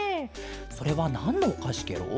それはなんのおかしケロ？